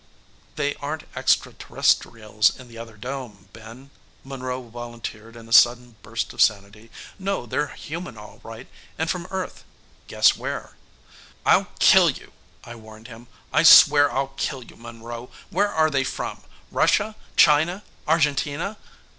"They aren't extraterrestrials in the other dome, Ben," Monroe volunteered in a sudden burst of sanity. "No, they're human, all right, and from Earth. Guess where." "I'll kill you," I warned him. "I swear I'll kill you, Monroe. Where are they from Russia, China, Argentina?"